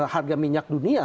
harga minyak dunia